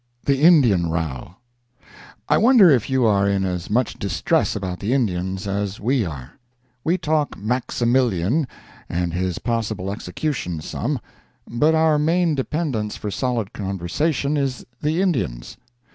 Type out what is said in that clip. THE INDIAN ROW I wonder if you are in as much distress about the Indians as we are? We talk Maximilian and his possible execution some, but our main dependence for solid conversation is the Indians.